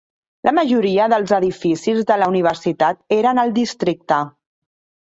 La majoria dels edificis de la universitat eren al districte.